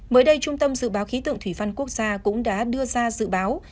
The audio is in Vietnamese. mới đây trung tâm dự báo khí tượng thủy văn quốc gia cũng đã đưa ra dự báo